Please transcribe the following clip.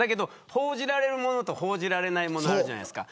報じられるものと報じられないものがあるじゃないですか。